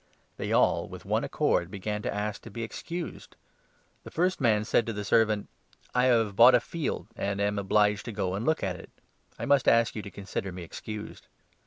They all with one accord began to ask to be excused. 18 The first man said to the servant ' I have bought a field and am obliged to go and look at it. I must ask you to consider me excused.'